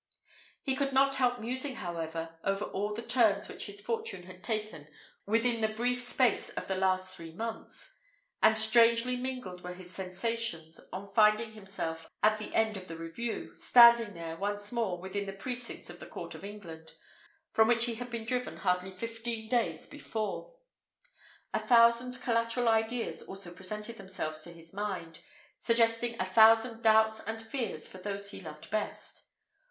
He could not help musing, however, over all the turns which his fortune had taken within the brief space of the last three months; and strangely mingled were his sensations, on finding himself, at the end of the review, standing there, once more within the precincts of the court of England, from which he had been driven hardly fifteen days before. A thousand collateral ideas also presented themselves to his mind, suggesting a thousand doubts and fears for those he loved best.